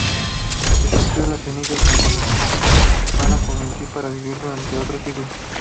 Resurgió de las cenizas con renovada juventud para vivir durante otro ciclo.